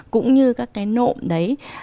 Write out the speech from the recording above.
cũng như các cái nộm đấy